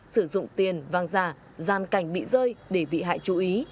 sử dụng tiền vàng giả gian cảnh bị rơi để bị hại chú ý